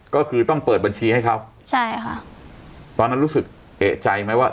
ก็คือต้องเปิดบัญชีให้เขาใช่ค่ะตอนนั้นรู้สึกเอกใจไหมว่า